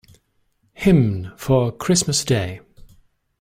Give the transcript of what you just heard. Hymn for Christmas Day.